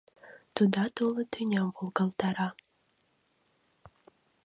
Тудат уло тӱням волгалтара.